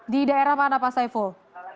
di daerah mana pak saiful